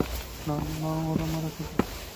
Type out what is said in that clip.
না, ওরা মারা যাবে।